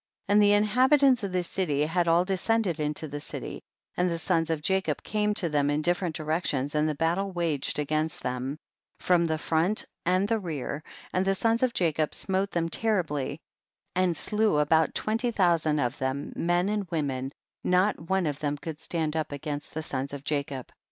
50. And the inhabitants of the city had all descended into the city, and the sons of Jacob came to them in different directions and the battle waged against them from the front and the rear, and the sons of Jacob smote them terribly and slew about twenty thousand of them men and women, not one of them could stand up against the sons of Jacob.